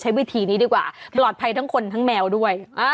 วิธีนี้ดีกว่าปลอดภัยทั้งคนทั้งแมวด้วย